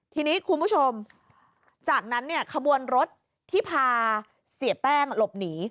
ทีนี้คุณผู้ชมจากนั้นเนี่ยขบวนรถที่พาเสียแป้งหลบหนี